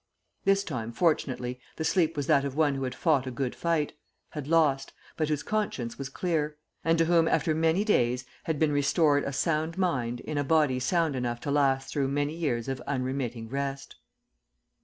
This time fortunately the sleep was that of one who had fought a good fight, had lost, but whose conscience was clear; and to whom, after many days, had been restored a sound mind in a body sound enough to last through many years of unremitting rest.